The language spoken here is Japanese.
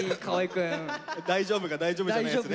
「大丈夫」が大丈夫じゃないやつね。